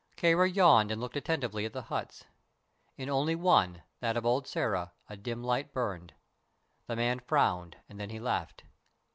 Kāra yawned and looked attentively at the huts. In only one, that of old Sĕra, a dim light burned. The man frowned, and then he laughed.